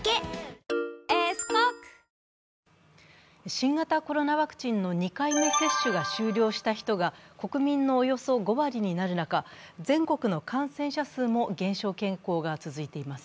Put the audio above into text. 新型コロナワクチンの２回目接種が終了した人が国民のおよそ５割になる中全国の感染者数も減少傾向が続いています。